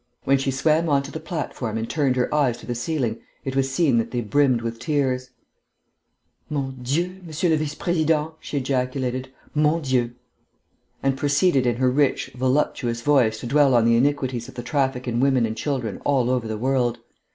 When she swam on to the platform and turned her eyes to the ceiling, it was seen that they brimmed with tears. "Mon Dieu, M. le Vice Président," she ejaculated. "Mon Dieu!" And proceeded in her rich, voluptuous voice to dwell on the iniquities of the traffic in women and children all over the world.